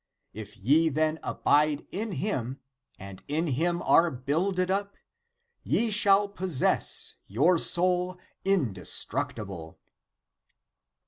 If ye then abide in him, and in him are builded up, ye shall possess your soul indestructible."